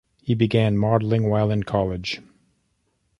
He began modeling while in college.